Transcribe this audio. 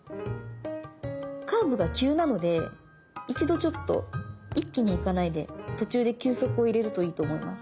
カーブが急なので一度ちょっと一気に行かないで途中で休息を入れるといいと思います。